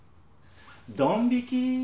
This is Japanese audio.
ドン引き。